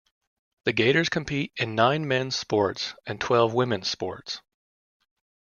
The Gators compete in nine men's sports and twelve women's sports.